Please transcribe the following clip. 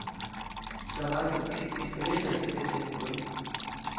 Sabato estis plena de eventoj.